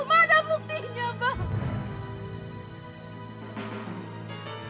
mana buktinya bang